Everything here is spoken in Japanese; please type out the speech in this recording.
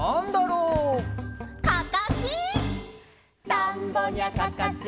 「たんぼにゃかかし」